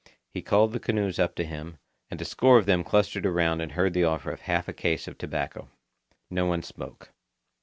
He called the canoes up to him, and a score of them clustered around and heard the offer of half a case of tobacco. No one spoke.